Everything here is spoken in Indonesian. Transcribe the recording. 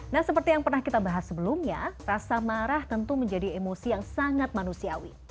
nah seperti yang pernah kita bahas sebelumnya rasa marah tentu menjadi emosi yang sangat manusiawi